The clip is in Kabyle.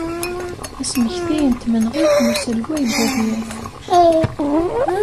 Asmekti n tmenɣiwt n uselway Bouḍyaf.